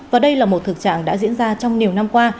và đây là một thực trạng đã diễn ra trong nhiều năm qua